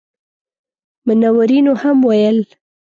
منورینو هم ویل.